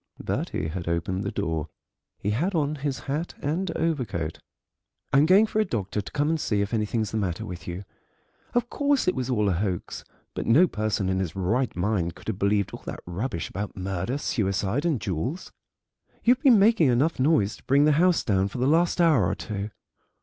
Bertie had opened the door; he had on his hat and overcoat. "I'm going for a doctor to come and see if anything's the matter with you. Of course it was all a hoax, but no person in his right mind could have believed all that rubbish about murder and suicide and jewels. You've been making enough noise to bring the house down for the last hour or two."